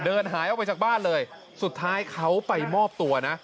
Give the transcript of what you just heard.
หายออกไปจากบ้านเลยสุดท้ายเขาไปมอบตัวนะ